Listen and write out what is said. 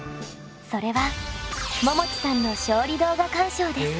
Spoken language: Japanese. それはももちさんの勝利動画鑑賞です。